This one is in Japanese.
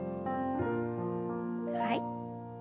はい。